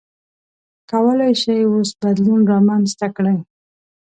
کولای شئ اوس بدلون رامنځته کړئ.